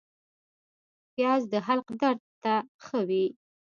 پیاز د حلق درد ته ښه دی